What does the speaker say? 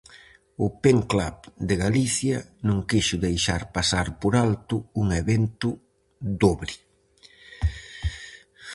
O Pen Club de Galicia non quixo deixar pasar por alto un evento dobre.